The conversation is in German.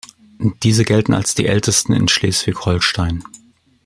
Diese gelten als die ältesten in Schleswig-Holstein.